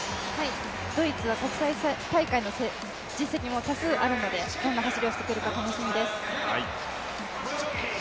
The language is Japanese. ドイツは国際大会の実績も多数あるので、どんな走りをしてくるか楽しみです。